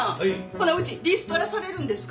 ほなうちリストラされるんですか？